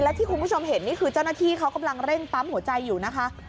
และที่คุณผู้ชมเห็นนี่คือเจ้าหน้าที่เขากำลังเร่งปั๊มหัวใจอยู่นะคะ